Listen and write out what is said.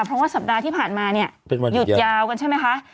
เพราะว่าสัปดาห์ที่ผ่านมาเนี่ยหยุดยาวกันใช่ไหมคะ